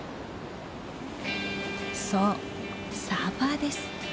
そうサーファーです。